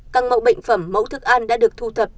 các mẫu bệnh phẩm mẫu thức ăn đã được thu thập